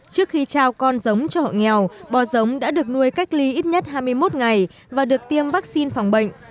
trước khi trao con giống cho hộ nghèo bò giống đã được nuôi cách ly ít nhất hai mươi một ngày và được tiêm vaccine phòng bệnh